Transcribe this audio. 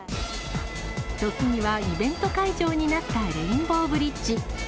時にはイベント会場になったレインボーブリッジ。